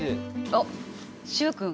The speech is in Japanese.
おっ習君！